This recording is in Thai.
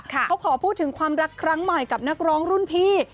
เขาขอพูดถึงความรักครั้งใหม่กับนักร้องรุ่นพี่